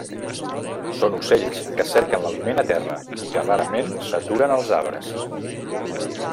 Són ocells que cerquen l'aliment a terra i que rarament s'aturen als arbres.